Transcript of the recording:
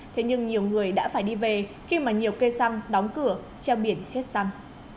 thế nhưng nhiều người đã phải đi về khi mà nhiều cây xăng đóng cửa treo biển hết xăng